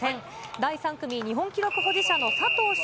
第３組、日本記録保持者の佐藤翔